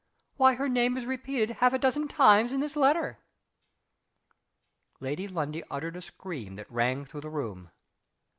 Why her name is repeated half a dozen times in this letter!" Lady Lundie uttered a scream that rang through the room. Mrs.